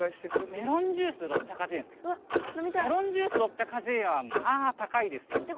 メロンジュース６８０円はまあ高いですよ。